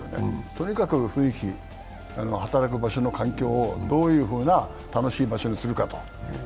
とにかく雰囲気、働く場所の環境をどういうふうな楽しい場所にするかと。